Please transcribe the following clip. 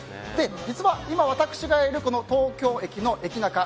実は今、私がいる東京駅の駅ナカ